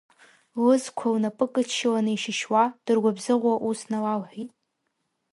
Лызқәа лнапы кыдшьыланы ишьышьуа, дыргәыбзыӷуа, ус налалҳәеит…